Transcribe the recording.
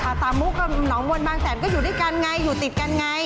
ตามุกับหนองบนบางแสนก็อยู่ด้วยกันไงอยู่ติดกันไง